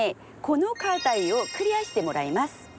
この課題をクリアしてもらいます。